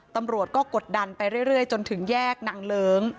ตำรวจก็กดดันไปเรื่อยจนถึงแยกนางเลิ้ง